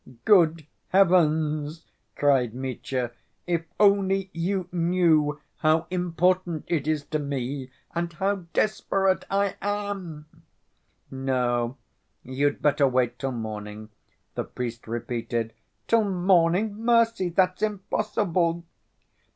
"Good heavens!" cried Mitya. "If only you knew how important it is to me and how desperate I am!" "No, you'd better wait till morning," the priest repeated. "Till morning? Mercy! that's impossible!"